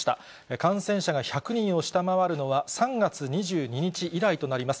感染者が１００人を下回るのは３月２２日以来となります。